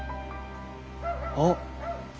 あっ。